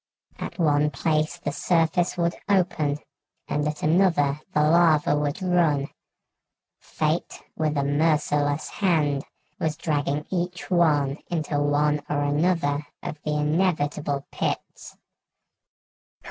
At one place the surface would open and at another the lava would run. Fate, with a merciless hand, was dragging each one into one or another of the inevitable pits."